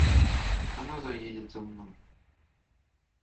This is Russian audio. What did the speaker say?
Она заедет за мной.